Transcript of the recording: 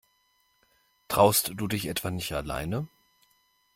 Traust du dich etwa nicht alleine?